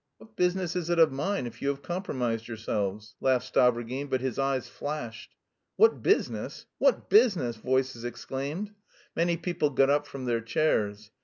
"What business is it of mine if you have compromised yourselves?" laughed Stavrogin, but his eyes flashed. "What business? What business?" voices exclaimed. Many people got up from their chairs.